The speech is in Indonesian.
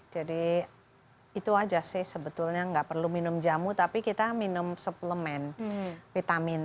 jadi itu aja sih sebetulnya gak perlu minum jamu tapi kita minum suplemen vitamin